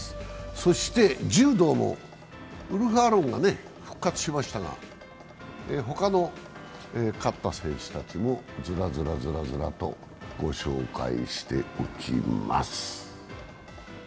そして柔道も、ウルフ・アロンが復活しましたが、他の勝った選手たちもずらずらずらとご紹介しておきます。